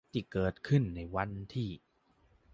ที่เกิดขึ้นในวันที่